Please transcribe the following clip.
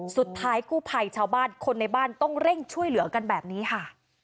สุดท้ายกู้ภัยชาวบ้านคนในบ้านต้องเร่งช่วยเหลือกันแบบนี้ค่ะ